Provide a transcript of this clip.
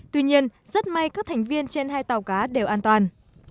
tuy nhiên rất may các thành viên trên hai tàu cá đều an toàn